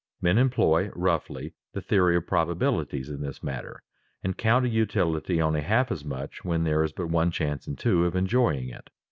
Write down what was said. Men employ roughly the theory of probabilities in this matter, and count a utility only half as much when there is but one chance in two of enjoying it.